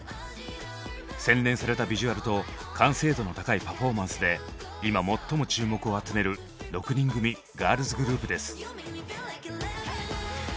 洗練されたビジュアルと完成度の高いパフォーマンスで今最も注目を集める６人組ガールズグループです。